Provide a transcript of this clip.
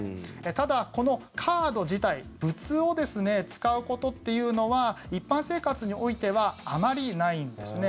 ただ、このカード自体物を使うことというのは一般生活においてはあまりないんですね。